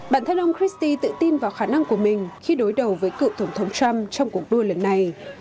bản thân ông christe tự tin vào khả năng của mình khi đối đầu với cựu tổng thống trump trong cuộc đua lần này